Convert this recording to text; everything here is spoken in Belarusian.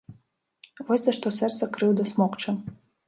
Вось за што сэрца крыўда смокча.